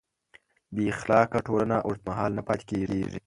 بېاخلاقه ټولنه اوږدمهاله نه پاتې کېږي.